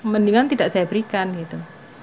mendingan tidak saya berikan gitu